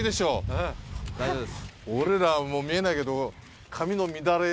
俺らはもう見えないけど。